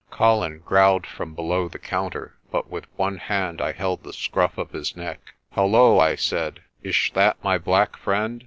Colin growled from below the counter but with one hand I held the scruff of his neck. "Hullo," I said, ish that my black friend?